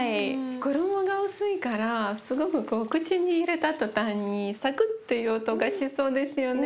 衣が薄いからすごくこう口に入れた途端にサクッていう音がしそうですよね。